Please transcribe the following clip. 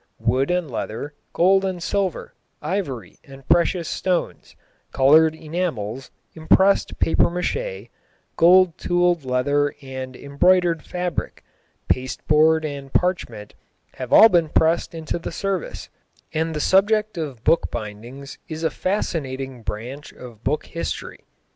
Wood and leather, gold and silver, ivory and precious stones, coloured enamels, impressed papier mâché, gold tooled leather and embroidered fabric, pasteboard and parchment, have all been pressed into the service, and the subject of bookbindings is a fascinating branch of book history.